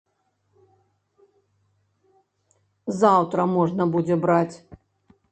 Заўтра можна будзе браць.